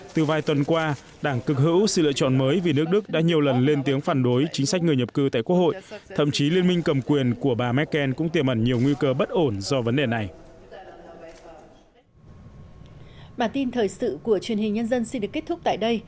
từ vài tuần qua đảng cực hữu sự lựa chọn mới vì nước đức đã nhiều lần lên tiếng phản đối chính sách người nhập cư tại quốc hội thậm chí liên minh cầm quyền của bà merkel cũng tiềm ẩn nhiều nguy cơ bất ổn do vấn đề này